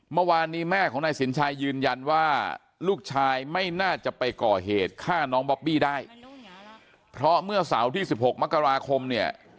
เมื่อวานนี้แม่ของนายสินชัยยืนยันว่าลูกชายไม่น่าจะไปก่อเหตุฆ่าน้องบอบบี้ได้เพราะเมื่อเสาร์ที่๑๖มกราคมเนี่ย